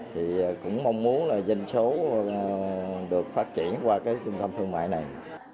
thì cũng mong muốn là doanh số được phát triển qua cái trung tâm thương mại này